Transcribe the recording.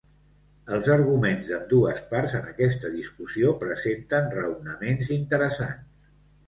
Els arguments d'ambdues parts en aquesta discussió presenten raonaments interessants.